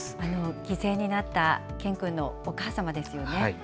犠牲になった健君のお母様ですよね。